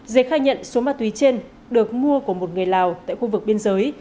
dê khai nhận số ma túy trên được mua của một người lào tại khu vực biên giới